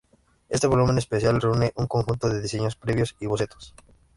Este volumen especial reúne un conjunto de diseños previos y bocetos.